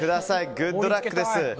グッドラックです。